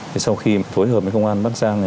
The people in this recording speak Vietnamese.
thì sau khi phối hợp với công an bắc giang